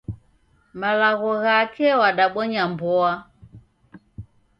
Malagho ghake wadabonya mboa.